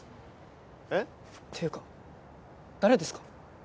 えっ？っていうか誰ですか？